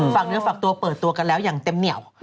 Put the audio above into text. ฝากเนื้อฝากตัวเปิดตัวกันแล้วอย่างเต็มเหนียว